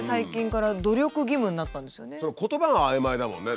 言葉が曖昧だもんね